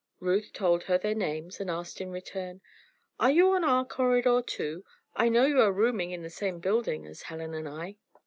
Ruth told her their names and asked in return: "Are you on our corridor, too? I know you are rooming in the same building as Helen and I."